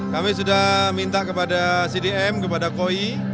kami sudah minta kepada cdm kepada koi